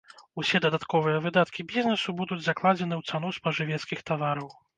Усе дадатковыя выдаткі бізнесу будуць закладзены ў цану спажывецкіх тавараў.